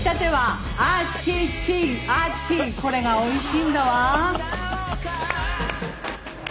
これがおいしいんだわ。